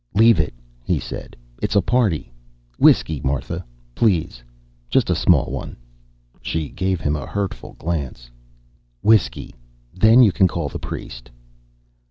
"Leave it," he said. "It's a party. Whiskey, Martha. Please just a small one." She gave him a hurtful glance. "Whiskey. Then you can call the priest."